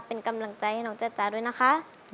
เป็นกำลังใจให้น้องจ๊ะด้วยนะคะ